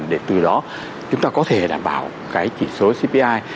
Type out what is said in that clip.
để từ đó chúng ta có thể đảm bảo cái chỉ số cpi